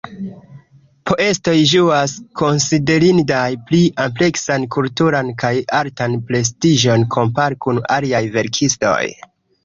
Poetoj ĝuas konsiderindan pli ampleksan kulturan kaj artan prestiĝon kompare kun aliaj verkistoj.